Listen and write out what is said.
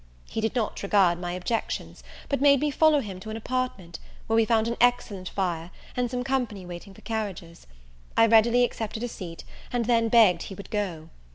He did not regard my objections; but made me follow him to an apartment, where we found an excellent fire, and some company waiting for carriages. I readily accepted a seat, and then begged he would go.